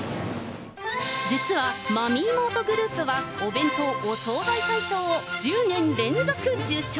実はマミーマートグループは、お弁当・お惣菜大賞を１０年連続受賞。